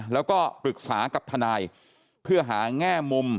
แล้วก็ปรึกษากับทนายเพื่อหาแง่มุม